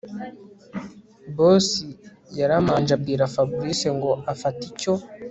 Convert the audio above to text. Boss yaramanje abwira Fabric ngo afate icyo